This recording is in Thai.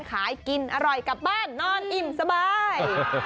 ขายกินอร่อยกลับบ้านนอนอิ่มสบาย